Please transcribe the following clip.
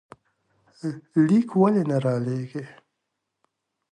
ليک ولې نه رالېږې؟